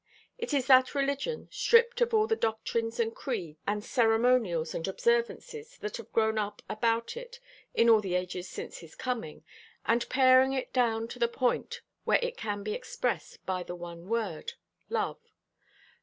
It is that religion, stripped of all the doctrines and creeds and ceremonials and observances that have grown up about it in all the ages since His coming, and paring it down to the point where it can be expressed by the one word—Love.